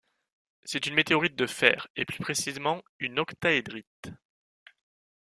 C'est une météorite de fer, et plus précisément une octaédrite.